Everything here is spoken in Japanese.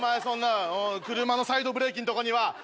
そんな車のサイドブレーキんとこには。